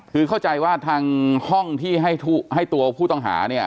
คือเข้าใจว่าทางห้องที่ให้ตัวผู้ต้องหาเนี่ย